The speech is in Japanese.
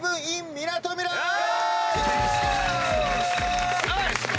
みなとみらいは。